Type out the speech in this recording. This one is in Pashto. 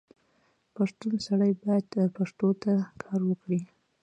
پښتون سړی باید پښتو ته کار وکړي.